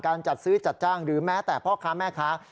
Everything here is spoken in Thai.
จัดซื้อจัดจ้างหรือแม้แต่พ่อค้าแม่ค้า